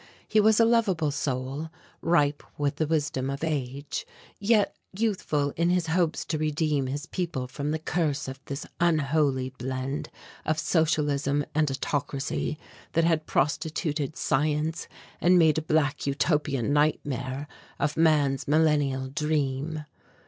He was a lovable soul, ripe with the wisdom of age, yet youthful in his hopes to redeem his people from the curse of this unholy blend of socialism and autocracy that had prostituted science and made a black Utopian nightmare of man's millennial dream.